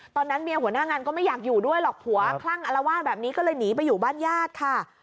ตอนนั้นเมียหัวหน้างานก็ไม่อยากอยู่ด้วยหรอกผัวคลั่งอลวาดแบบนี้ก็เลยหนีไปอยู่บ้านญาติค่ะ